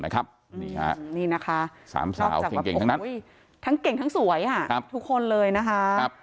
นี่นะคะนอกจากว่าทั้งเก่งทั้งสวยทุกคนเลยนะคะ